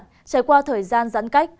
trải qua thời gian giãn cách